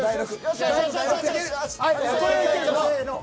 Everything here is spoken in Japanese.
せの。